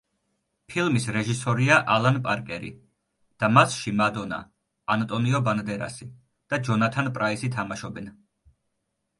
ფილმის რეჟისორია ალან პარკერი და მასში მადონა, ანტონიო ბანდერასი და ჯონათან პრაისი თამაშობენ.